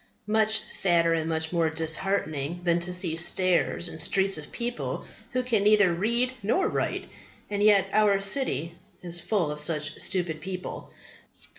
Much sadder and much more disheartening than to see stairs and streets of people who can neither read nor write. And yet our city is full of such stupid people.